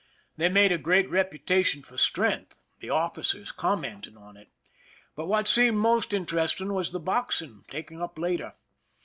They made a great reputa tion for strength, the officers commenting on it. But what seemed most interesting was the boxing, taken up later.